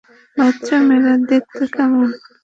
বাচ্চা মেয়েরা দেখতে কেমন?